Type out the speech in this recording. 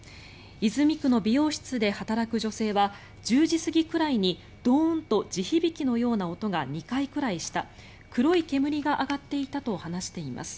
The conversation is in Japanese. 泉区の美容室で働く女性は１０時過ぎくらいにドーンと地響きのような音が２回くらいした黒い煙が上がっていたと話しています。